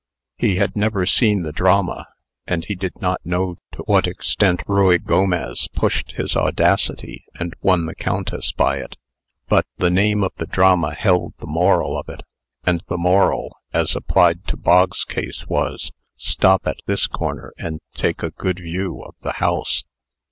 He had never seen the drama, and he did not know to what extent Ruy Gomez pushed his audacity, and won the Countess by it. But the name of the drama held the moral of it; and the moral, as applied to Bog's case, was: "Stop at this corner, and take a good view of the, house."